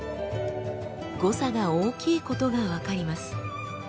誤差が大きいことが分かります。